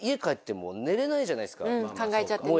考えちゃってね。